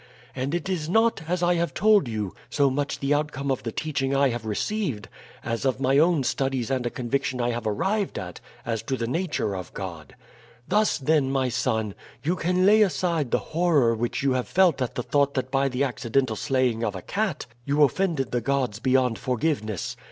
And it is not, as I have told you, so much the outcome of the teaching I have received as of my own studies and a conviction I have arrived at as to the nature of God. Thus, then, my son, you can lay side the horror which you have felt at the thought that by the accidental slaying of a cat you offended the gods beyond forgiveness.